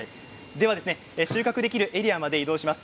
収穫できるエリアまで移動します。